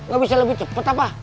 gak bisa lebih cepat apa